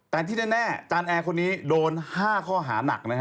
แต่ที่แน่จานแอร์คนนี้โดน๕ข้อหานัก